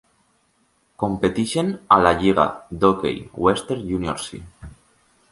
Competeixen a la lliga d'hoquei Western Junior C.